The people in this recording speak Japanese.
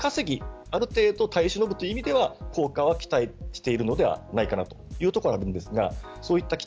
時間稼ぎ、ある程度耐え忍ぶという意味では効果は期待しているのではないかというところがあります。